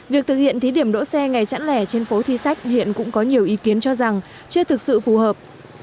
việc thực hiện thí điểm đỗ xe ngày chẵn lẻ trên phố thi sách hiện cũng có nhiều ý kiến cho rằng chưa thực sự phù hợp